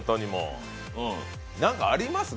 何かあります？